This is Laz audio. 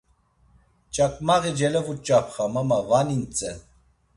Ç̌aǩmaği celevuç̌apxam ama va nintzen.